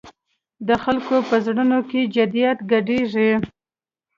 د خلکو په زړونو کې جدیت ګډېږي.